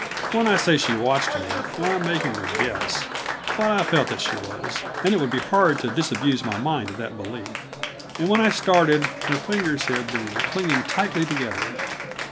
When I say she watched me, I am making a guess; but I felt that she was, and it would be hard to disabuse my mind of that belief. And when I started, her fingers had been clinging tightly together.